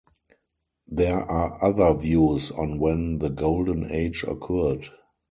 There are other views on when the Golden Age occurred.